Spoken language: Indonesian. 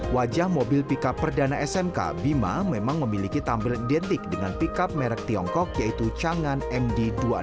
wajah mobil pickup perdana smk bima memang memiliki tampilan identik dengan pickup merek tiongkok yaitu changan md dua puluh enam